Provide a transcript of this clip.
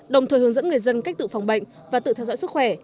đồng thời hướng dẫn người dân cách tự phòng bệnh và tự theo dõi sức khỏe